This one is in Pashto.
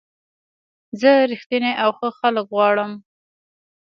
زه رښتیني او ښه خلک غواړم.